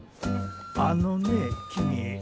あのね君。